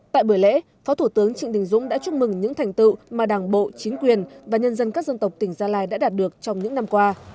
tại buổi lễ phó thủ tướng trịnh đình dũng đã chúc mừng những thành tựu mà đảng bộ chính quyền và nhân dân các dân tộc tỉnh gia lai đã đạt được trong những năm qua